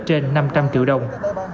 trên năm trăm linh triệu đồng